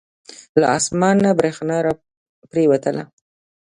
له اسمان نه بریښنا را پریوتله.